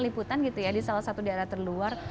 liputan di salah satu daerah terluar